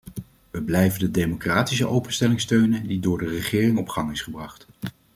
We blijven de democratische openstelling steunen die door de regering op gang is gebracht.